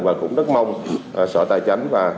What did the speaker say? và cũng rất mong sở tài chánh và